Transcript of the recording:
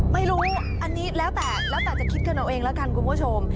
ไม่รู้อันนี้แล้วแต่แล้วแต่จะคิดกันเอาเองแล้วกันคุณผู้ชม